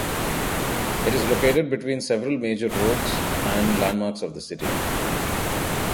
It is located between several major roads and landmarks of the city.